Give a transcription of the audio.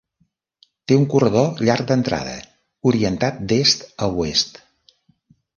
Té un corredor llarg d'entrada, orientat d'est a oest.